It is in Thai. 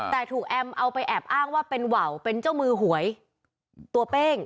แต่ถูกแอมเอาไปแอบอ้างว่าเป็นเหวเป็นเจ้ามือหวยตัวเป้ง